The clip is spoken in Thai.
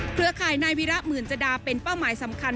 เครือข่ายนายวิระหมื่นจดาเป็นเป้าหมายสำคัญ